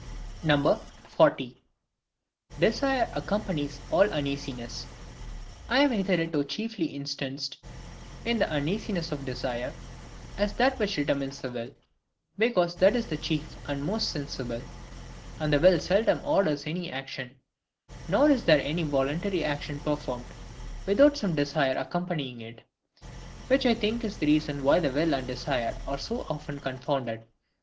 40. Desire accompanies all Uneasiness. I have hitherto chiefly instanced in the UNEASINESS of desire, as that which determines the will: because that is the chief and most sensible; and the will seldom orders any action, nor is there any voluntary action performed, without some desire accompanying it; which I think is the reason why the will and desire are so often confounded.